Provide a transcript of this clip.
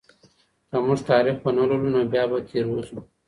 که موږ تاريخ ونه لولو نو بيا به تېروځو.